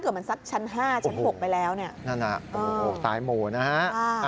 โอ้โฮสายหมูนะฮะ